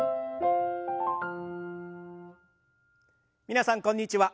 皆さんこんにちは。